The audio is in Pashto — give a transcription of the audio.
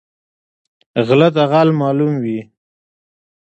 غله ته غل معلوم وي